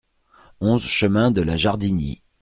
onze chemin de la Jardinie